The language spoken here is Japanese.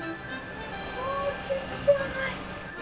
わあ、ちっちゃい。